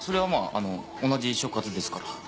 あの同じ所轄ですから。